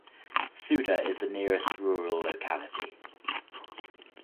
Suda is the nearest rural locality.